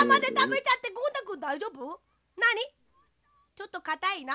ちょっとかたいな？